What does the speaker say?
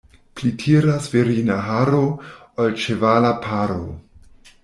Pli tiras virina haro, ol ĉevala paro.